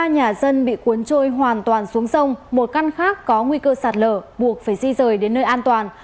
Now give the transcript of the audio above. ba nhà dân bị cuốn trôi hoàn toàn xuống sông một căn khác có nguy cơ sạt lở buộc phải di rời đến nơi an toàn